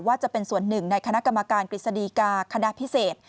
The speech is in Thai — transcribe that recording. จะเป็นส่วนหนึ่งในคณะกรรมการกฤษฎีกาคณะพิเศษ